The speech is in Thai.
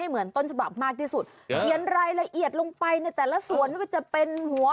อันนั้นจดหมายส่วนตัว